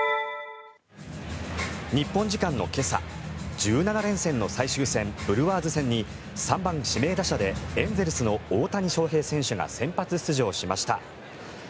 日本時間の今朝１７連戦の最終戦ブルワーズ戦に３番指名打者でエンゼルスの大谷翔平選手が先発出場しました。